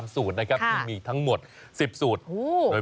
มีกลิ่นหอมกว่า